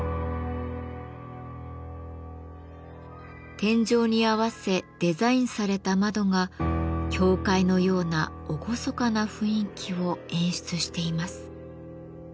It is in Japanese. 天井に合わせデザインされた窓が教会のような厳かな雰囲気を演出しています。